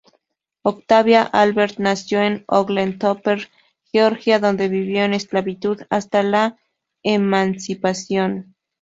Octavia Albert nació en Oglethorpe, Georgia, donde vivió en esclavitud hasta la emancipación.